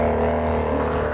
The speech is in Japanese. まあ！